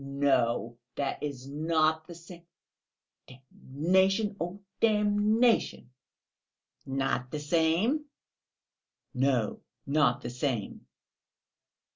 No, that is not the same! (Oh, damnation, damnation!)." "Not the same?" "No, not the same."